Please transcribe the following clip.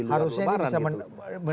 harusnya ini bisa mendapatkan